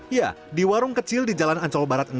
ya di warung kecil di jalan ancol barat enam